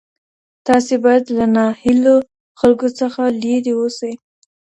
تاسي باید له ناهیلو خلکو څخه لیري اوسئ.